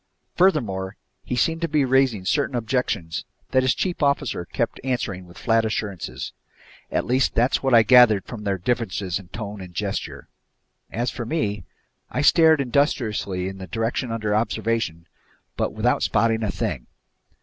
Furthermore, he seemed to be raising certain objections that his chief officer kept answering with flat assurances. At least that's what I gathered from their differences in tone and gesture. As for me, I stared industriously in the direction under observation but without spotting a thing.